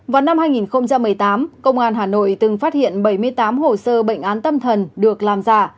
vào năm hai nghìn một mươi tám công an hà nội từng phát hiện bảy mươi tám hồ sơ bệnh án tâm thần được làm giả